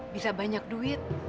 bisa banyak duit